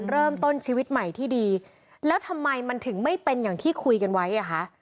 เริ่มต้นชีวิตใหม่ที่ดีแล้วทำไมมันถึงไม่เป็นอย่างที่คุยกันไว้อ่ะคะ